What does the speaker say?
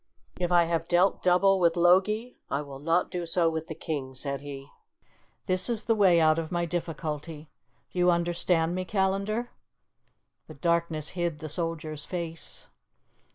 "If I have dealt double with Logie, I will not do so with the king," said he. "This is the way out of my difficulty. Do you understand me, Callandar?" The darkness hid the soldier's face.